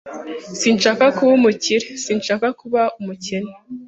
Sinshaka kuba umukire. Sinshaka kuba umukene.